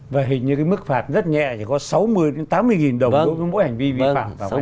và hình như cái mức phạt rất nhẹ chỉ có sáu mươi tám mươi nghìn đồng mỗi hành vi vi phạm